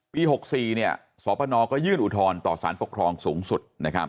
ปี๖๔สปนก็ยื่นอุทธรณ์ต่อสารปกครองสูงสุด